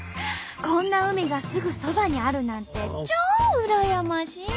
こんな海がすぐそばにあるなんて超羨ましい！